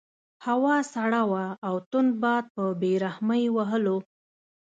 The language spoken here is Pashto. هوا سړه وه او تند باد په بې رحمۍ وهلو.